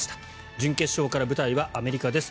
準決勝から舞台はアメリカです。